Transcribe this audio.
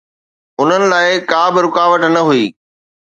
انهن لاءِ ڪا به رڪاوٽ نه هئي.